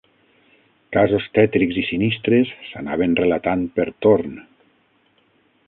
Casos tètrics i sinistres s'anaven relatant per torn